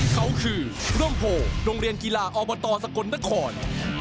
เขาคือร่มโพโรงเรียนกีฬาอบตสกลนคร